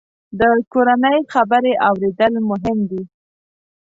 د کورنۍ خبرې اورېدل مهم دي.